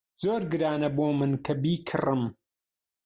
زۆر گرانە بۆ من کە بیکڕم.